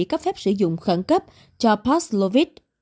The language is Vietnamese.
cấp phép sử dụng khẩn cấp cho paslovit